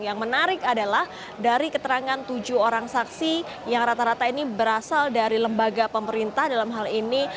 yang menarik adalah dari keterangan tujuh orang saksi yang rata rata ini berasal dari lembaga pemerintah dalam hal ini